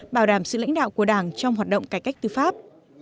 bảo đảm sự lãnh đạo của đảng trong hoạt động cải cách tư pháp